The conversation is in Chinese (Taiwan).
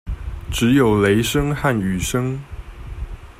只有雷聲和雨聲